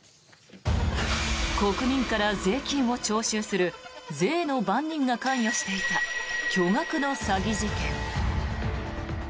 国民から税金を徴収する税の番人が関与していた巨額の詐欺事件。